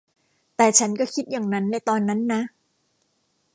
แต่ฉันก็คิดอย่างนั้นในตอนนั้นนะ